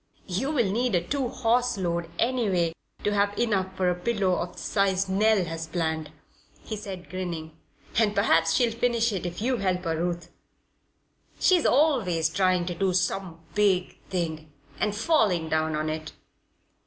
"You'll need a two horse load, anyway to have enough for a pillow of the size Nell has planned," he said, grinning. "And perhaps she'll finish it if you help her, Ruth. She's always trying to do some big thing and 'falling down' on it."